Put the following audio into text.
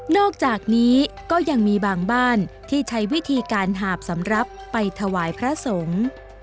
อกจากนี้ก็ยังมีบางบ้านที่ใช้วิธีการหาบสำหรับไปถวายพระสงฆ์